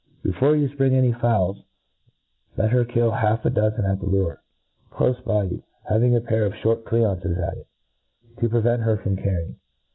Before you fpring any fowls, let her kill half a dozen at the lure, clofe by you, having a pah of fhort ^ oreances at it, to prevent her carrying.